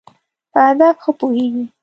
په هدف ښه پوهېږی.